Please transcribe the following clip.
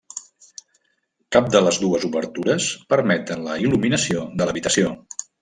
Cap de les dues obertures permeten la il·luminació de l'habitació.